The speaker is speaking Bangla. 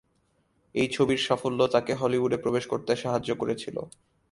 এই ছবির সাফল্য তাকে হলিউডে প্রবেশ করতে সাহায্য করেছিল।